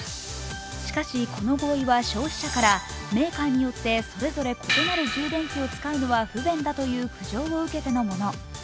しかし、この合意は消費者からメーカーによってそれぞれ異なる充電器を使うのは不便だという苦情を受けてのもの。